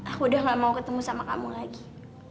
aku udah gak mau ketemu sama kamu lagi